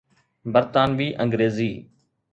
برطانوي انگريزي